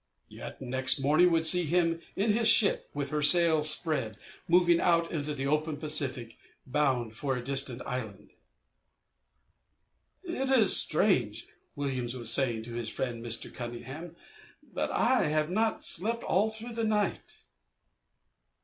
Yet next morning would see him in his ship, with her sails spread, moving out into the open Pacific, bound for a distant island. "It is strange," Williams was saying to his friend Mr. Cunningham, "but I have not slept all through the night."